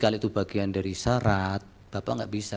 kalau itu bagian dari syarat bapak nggak bisa